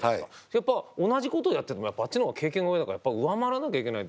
やっぱ同じことをやっててもあっちのほうが経験が上だから上回らなきゃいけない。